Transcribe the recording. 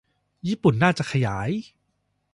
ญี่ปุ่น น่าจะขยาย